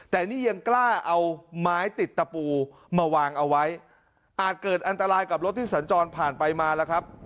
แต่นี่ยังกล้าเอาไม้ติดตะปูมาวางเอาไว้อาจเกิดอันตรายกับรถที่สัญจรผ่านไปมาแล้วครับ